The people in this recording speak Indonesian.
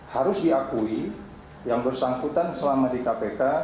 harus diakui yang bersangkutan selama di kpk